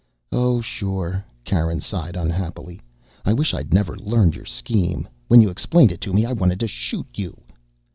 "Oh, sure." Karen sighed unhappily. "I wish I'd never learned your scheme. When you explained it to me I wanted to shoot you."